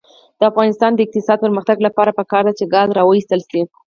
د افغانستان د اقتصادي پرمختګ لپاره پکار ده چې ګاز راوویستل شي.